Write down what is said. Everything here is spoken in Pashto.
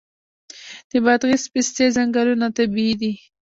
د بادغیس پستې ځنګلونه طبیعي دي؟